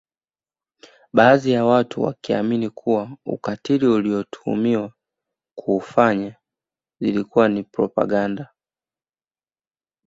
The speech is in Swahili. Baadhi ya watu wakiamini kuwa ukatili anaotuhumiwa kuufanya zilikuwa ni propaganda